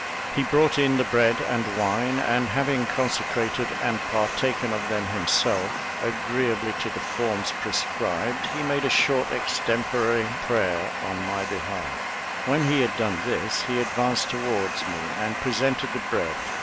He brought in the bread and wine; and having consecrated and partaken of them himself, agreeably to the forms prescribed, he made a short extempore prayer in my behalf. When he had done this, he advanced towards me, and presented the bread.